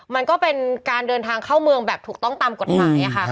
มันก็เป็นการเดินทางเข้าเมืองแบบถูกต้องตามกฎหมายค่ะ